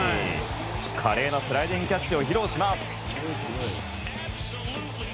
華麗なスライディングキャッチを披露します。